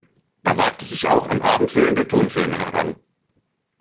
Er wagte sich auch an abendfüllende Tonfilme heran.